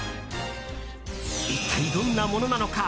一体、どんなものなのか。